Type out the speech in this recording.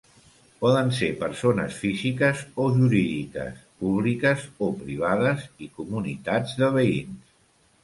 Poden ser persones físiques o jurídiques, públiques o privades, i comunitats de veïns.